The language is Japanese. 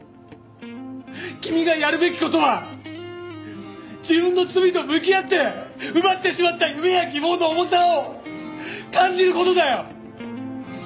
君がやるべき事は自分の罪と向き合って奪ってしまった夢や希望の重さを感じる事だよ！